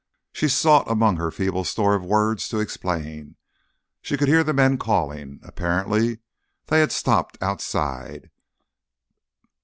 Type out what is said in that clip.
She sought among her feeble store of words to explain. She could hear the men calling. Apparently they had stopped outside.